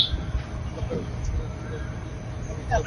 সরকারের কাছে এমন আবেদন জানিয়েছেন নিহত মেয়েদের অভিভাবকরা।